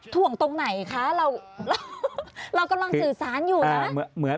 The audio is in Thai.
ถ่วงตรงไหนคะเรากำลังสื่อสารอยู่นะ